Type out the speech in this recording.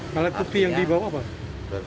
alat bukti yang dibawa apa